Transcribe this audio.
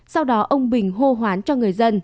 sau đó ông bình hô hoán cho người dân